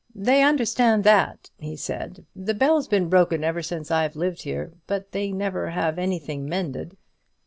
"They understand that," he said; "the bell's been broken ever since I've lived here, but they never have anything mended."